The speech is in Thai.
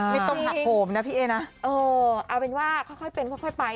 ไม่ต้องหักโหมนะพี่เอ๊นะเออเอาเป็นว่าค่อยเป็นค่อยไป